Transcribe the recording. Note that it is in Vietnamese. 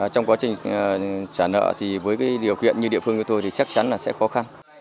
trong quá trình trả nợ thì với điều kiện như địa phương của tôi thì chắc chắn là sẽ khó khăn